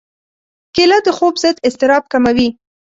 کېله د خوب ضد اضطراب کموي.